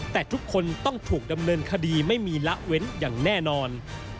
แต่ทุกคนต้องถูกดำเนินคดีไม่มีละเว้นอย่างแน่นอน